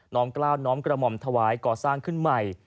้อมกล้าวน้อมกระหม่อมถวายก่อสร้างขึ้นใหม่